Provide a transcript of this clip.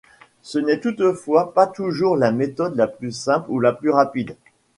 Ce n'est toutefois pas toujours la méthode la plus simple ou la plus rapide.